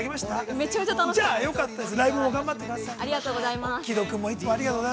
◆めちゃめちゃ楽しかったです。